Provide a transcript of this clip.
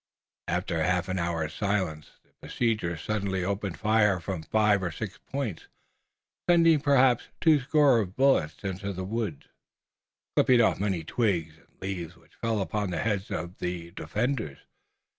After a half hour's silence, the besiegers suddenly opened fire from five or six points, sending perhaps two score bullets into the wood, clipping off many twigs and leaves which fell upon the heads of the defenders.